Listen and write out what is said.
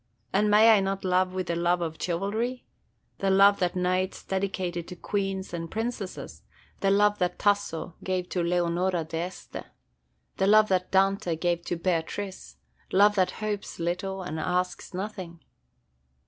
and may I not love with the love of chivalry, – the love that knights dedicated to queens and princesses, the love that Tasso gave to Leonora D'Este, the love that Dante gave to Beatrice, love that hopes little and asks nothing?